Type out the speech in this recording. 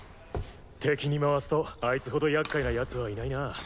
敵に回すとあいつほど厄介な奴はいないな。